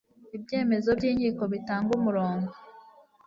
ibyemezo by inkiko bitanga umurongo